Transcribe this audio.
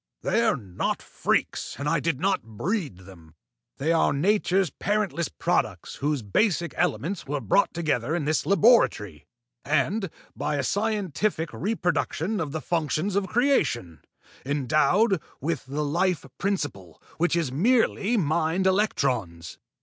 "They are not freaks, and I did not breed them. They are nature's parentless products whose basic elements were brought together in this laboratory, and, by a scientific reproduction of the functions of creation, endowed with the life principle, which is merely mind electrons."